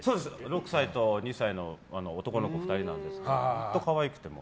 ６歳と２歳の男の子２人なんですけど本当可愛くて。